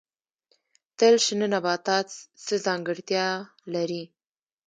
تل شنه نباتات څه ځانګړتیا لري؟